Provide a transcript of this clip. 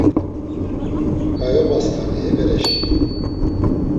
Ǩayobasǩani e bereşǩimi.